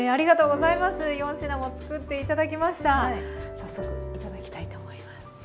早速頂きたいと思います。